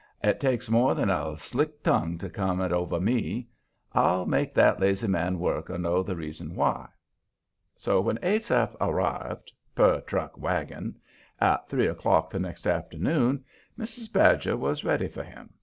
It takes more than a slick tongue to come it over me. I'll make that lazy man work or know the reason why." So when Asaph arrived per truck wagon at three o'clock the next afternoon, Mrs. Badger was ready for him.